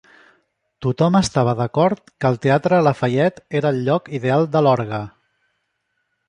Tothom estava d'acord que el Teatre Lafayette era el lloc ideal de l'orgue.